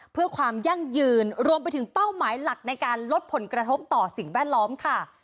เพื่อความยั่งยืนรวมไปถึงเป้าหมายหลักในการลดผลกระทบต่อสิ่งแวดล้อมค่ะ